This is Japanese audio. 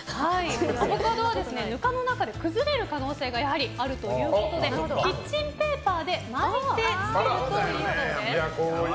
アボカドはぬかの中で崩れる可能性があるということでキッチンペーパーで巻いて漬けるといいそうです。